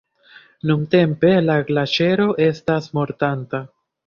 Nuntempe la glaĉero estas mortanta.